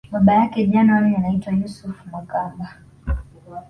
Baba yake January anaitwa Yusufu Makamba